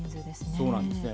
そうなんですね。